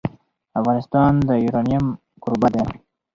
افغانستان د یورانیم کوربه دی.